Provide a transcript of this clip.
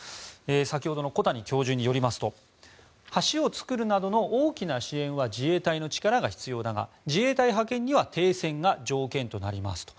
先ほどの小谷教授によりますと橋を作るなどの大きな支援は自衛隊の力が必要だが自衛隊派遣には停戦が条件となりますと。